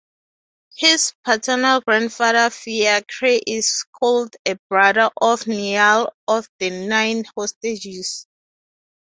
His paternal grandfather Fiachrae is called a brother of Niall of the Nine Hostages.